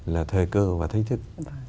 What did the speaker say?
là thời cơ và thế thức